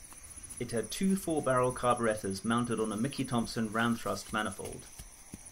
It had two four-barrel carburetors mounted on a Mickey Thompson Ram-Thrust manifold.